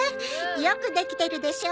よくできてるでしょ？